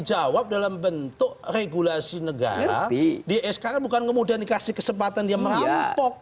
jawab dalam bentuk regulasi negara di sk bukan kemudian dikasih kesempatan dia merampok